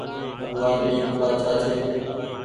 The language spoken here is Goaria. بگوآن ايڪ بآڇآ ڇي